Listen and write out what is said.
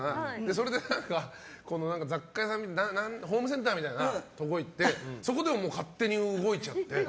それで、雑貨屋さんかホームセンターみたいなところ行ってそこでも勝手に動いちゃって。